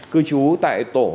cư trú tại tổ ba